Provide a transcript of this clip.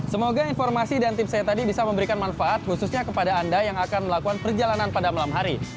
semoga informasi dan tips saya tadi bisa memberikan manfaat khususnya kepada anda yang akan melakukan perjalanan pada malam hari